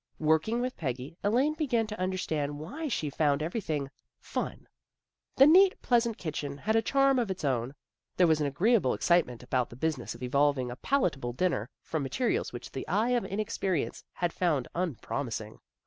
Working with Peggy, Elaine began to under stand why she found everything " fun." The neat, pleasant kitchen had a charm of its own. There was an agreeable excitement about the business of evolving a palatable supper from materials which the eye of inexperience had found unpromising.